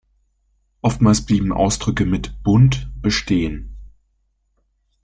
Oftmals blieben Ausdrücke mit "Bund" bestehen.